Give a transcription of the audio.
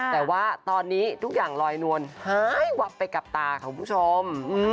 แต่ว่าตอนนี้ทุกอย่างลอยนวลหายวับไปกับตาค่ะคุณผู้ชม